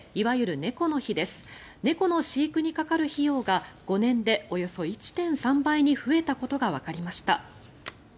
猫の飼育にかかる費用が５年でおよそ１．３倍に増えたことがわかりました。